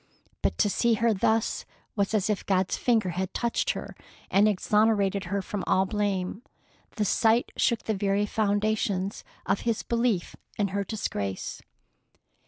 But to see her thus was as if God's finger had touched her and exonerated her from all blame. The sight shook the very foundations of his belief in her disgrace.